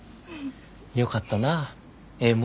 よかったなええ